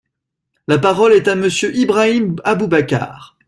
La parole est à Monsieur Ibrahim Aboubacar.